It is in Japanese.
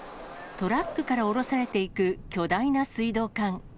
トラックから降ろされていく巨大な水道管。